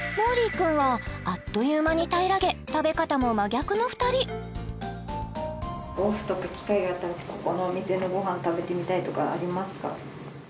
君はあっという間に平らげ食べ方も真逆の２人オフとか機会があったらここのお店でごはん食べてみたいとかありますか？